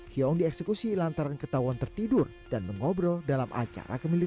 hyong dieksekusi lantaran ketahuan tertidur dan mengobrol dalam acara kemilikan